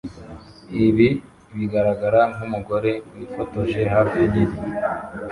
Ibi bigaragara nkumugore wifotoje hafi nini